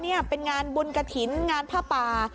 นี่เป็นงานบุญกระถิ่นงานผ้าป่า